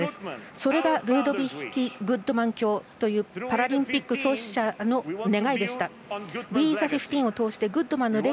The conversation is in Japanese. それがルードヴィッヒ・グッドマン卿というパラリンピック創始者の願いでした。